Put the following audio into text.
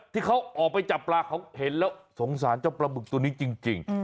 ที่เขาออกไปจับปลาเขาเห็นแล้วสงสารเจ้าปลาบึกตัวนี้จริง